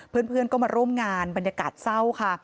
เพื่อนก็มาร่วมงานบรรยากาศเศร้าค่ะ